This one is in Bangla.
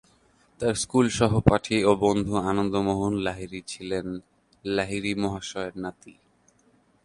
তার স্কুল সহপাঠী ও বন্ধু আনন্দ মোহন লাহিড়ী ছিলেন লাহিড়ী মহাশয়ের নাতি।